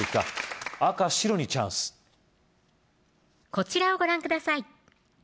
こちらをご覧ください